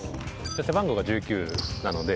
背番号が１９なので。